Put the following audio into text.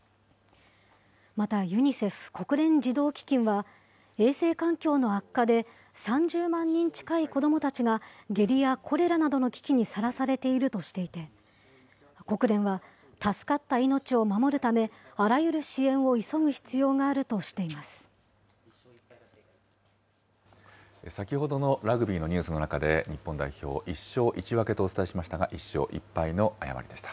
またユニセフ・国連児童基金は、衛生環境の悪化で、３０万人近い子どもたちが、下痢やコレラなどの危機にさらされているとして、国連は、助かった命を守るため、あらゆる支援を急ぐ必要があるとしていま先ほどのラグビーのニュースの中で、日本代表、１勝１分けとお伝えしましたが、１勝１敗の誤りでした。